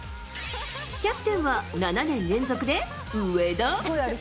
キャプテンは７年連続で上田。